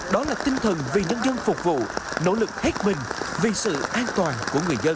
đó là tinh thần vì nhân dân phục vụ nỗ lực hết mình vì sự an toàn của người dân